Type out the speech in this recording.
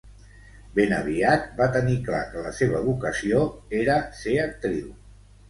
Ben aviat va tenir clar que la seva vocació era ser actriu.